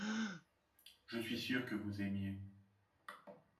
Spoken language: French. je suis sûr que vous aimiez.